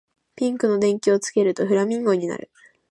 ピンクの電球をつけるとフラミンゴになる